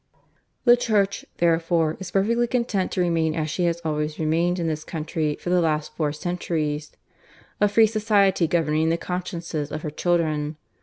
"The Church, therefore, is perfectly content to remain as she has always remained in this country for the last four centuries a free society governing the consciences of her children.